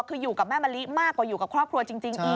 คืออยู่กับแม่มะลิมากกว่าอยู่กับครอบครัวจริงอีก